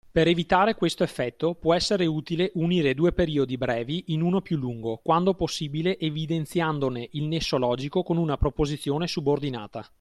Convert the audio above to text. Per evitare questo effetto può essere utile unire due periodi brevi in uno più lungo, quando possibile evidenziandone il nesso logico con una proposizione subordinata.